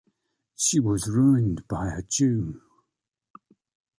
She was ruined by a Jew.